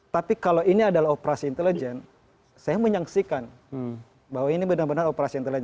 tapi kalau ini adalah operasi intelijen saya menyaksikan bahwa ini benar benar operasi intelijen